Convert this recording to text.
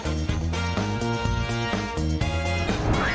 กระเศรฐกรตัดสรรค์